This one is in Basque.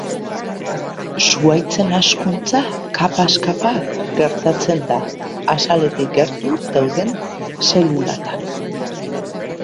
Zuhaitzen hazkuntza kapaz kapa gertatzen da, azaletik gertu dauden zelulatan.